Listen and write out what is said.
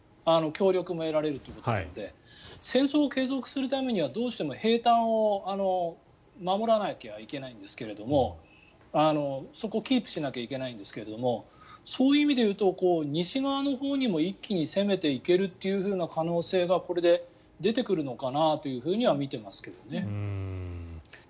協力も得られるということなので戦争を継続するためにはどうしても兵站を守らなきゃいけないんですけどもそこをキープしなきゃいけないんですがそういう意味で言うと西側のほうにも一気に攻めていけるというふうな可能性がこれで出てくるのかなとは見てますけどね。